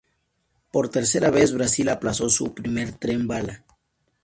Por tercera vez, Brasil aplazó su primer tren bala